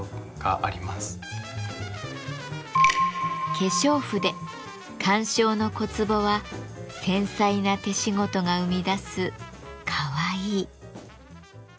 化粧筆鑑賞の小壺は繊細な手仕事が生み出す“カワイイ”。